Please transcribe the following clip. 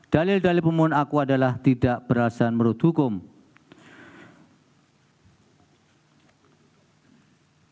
dalil dalil pemohon aku adalah tidak berlasan berdukung